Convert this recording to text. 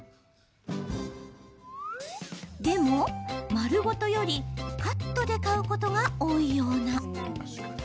でも、丸ごとよりカットで買うことが多いような。